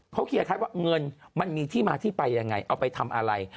เขาเคลียร์คล้ายว่าเงินมันมีที่มาที่ไปยังไงเอาไปทำอะไร